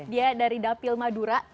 dia dari dapil madura